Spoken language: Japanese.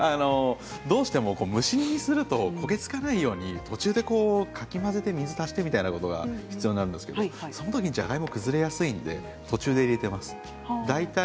どうしても蒸し煮にすると焦げ付かないように途中でかき混ぜて水を足してということが必要になるんですがその時に、じゃがいもが崩れやすいので途中で入れます。